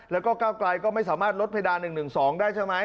แล้วก็ก้าวไกลก็ไม่สามารถลดเพดาน๑๑๒ได้ใช่ไหม